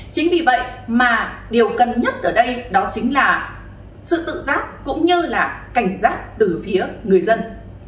chính vì vậy mà điều cần nhất ở đây đó chính là sự tự giác cũng như là cảnh giác từ phía người dân